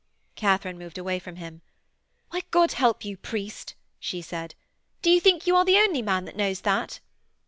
Katharine moved away from him. 'Why, God help you, priest,' she said. 'Do you think you are the only man that knows that?'